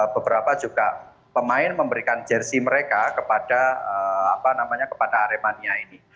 mereka memberikan jersi mereka kepada aremania ini